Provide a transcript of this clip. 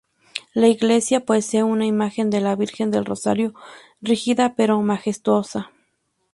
La iglesia posee una imagen de la Virgen del Rosario, rígida pero majestuosa.